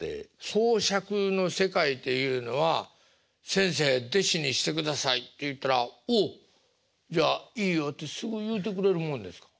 講釈の世界っていうのは「先生弟子にしてください」って言ったら「おうじゃあいいよ」ってそう言うてくれるもんですか？